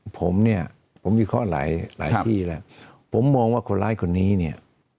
ผมเนี่ยผมมีข้อหลายที่แล้วผมมองว่าคนร้ายคนนี้เนี่ย